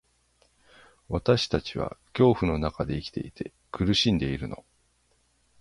私たちは恐怖の中で生きていて、苦しんでいるの。